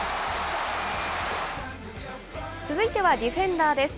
続いてはディフェンダーです。